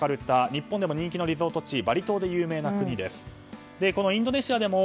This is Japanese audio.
日本でも人気のリゾート地バリ島で人気のエリアです。